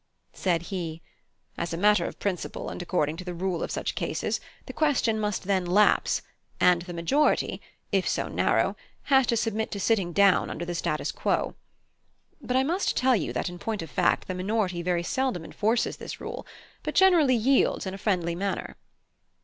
Said he: "As a matter of principle and according to the rule of such cases, the question must then lapse, and the majority, if so narrow, has to submit to sitting down under the status quo. But I must tell you that in point of fact the minority very seldom enforces this rule, but generally yields in a friendly manner."